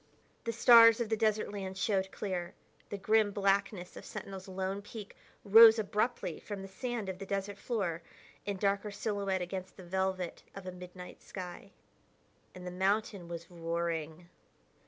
The stars of the desert land showed clear; the grim blackness of Sentinel's lone peak rose abruptly from the sand of the desert floor in darker silhouette against the velvet of a midnight sky. And the mountain was roaring.